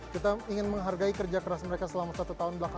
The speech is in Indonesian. kita ingin menghargai kerja keras mereka selama satu tahun